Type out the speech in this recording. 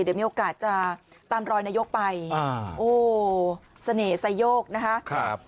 เดี๋ยวมีโอกาสจะตามรอยนายกไปโอ้เสน่ห์ไซโยกนะคะ